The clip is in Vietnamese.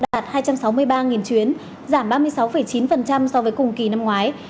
đạt hai trăm sáu mươi ba chuyến giảm ba mươi sáu chín so với cùng kỳ năm ngoái